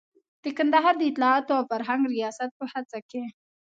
د کندهار د اطلاعاتو او فرهنګ ریاست په هڅه کې.